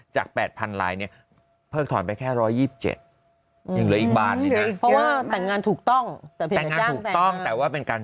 จาก๘๐๐๐รายเนี่ยเพิกถอนไปแค่๑๒๗บาทเพราะว่าแต่งงานถูกต้องแต่ว่าเป็นการ